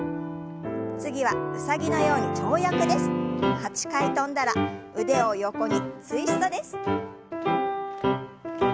８回跳んだら腕を横にツイストです。